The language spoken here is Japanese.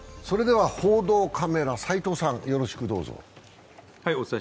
それでは報道カメラ、斎藤さん、よろしくどうぞ。